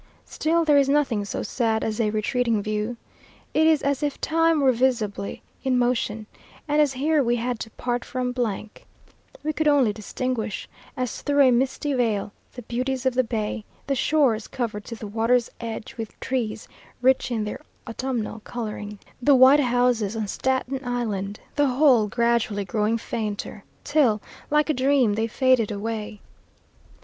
Still there is nothing so sad as a retreating view. It is as if time were visibly in motion; and as here we had to part from , we could only distinguish, as through a misty veil, the beauties of the bay; the shores covered to the water's edge with trees rich in their autumnal colouring; the white houses on Staten Island the whole gradually growing fainter, till, like a dream, they faded away.